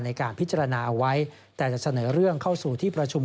แต่จะเสนอเรื่องเข้าสู่ที่ประชุม